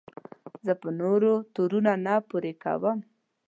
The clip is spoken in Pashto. زه په نورو تورونه نه پورې کوم.